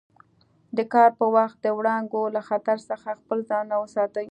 د کار پر وخت د وړانګو له خطر څخه خپل ځانونه وساتي.